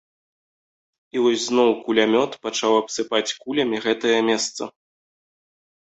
І вось зноў кулямёт пачаў абсыпаць кулямі гэтае месца.